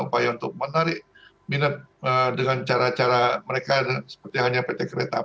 upaya untuk menarik minat dengan cara cara mereka seperti hanya pt kiretapi dan sebagainya ya